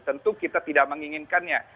tentu kita tidak menginginkannya